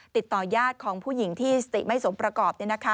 ติดต่อยาดของผู้หญิงที่สติไม่สมประกอบ